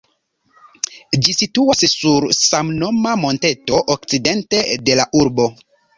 Ĝi situas sur samnoma monteto, okcidente de la urbo.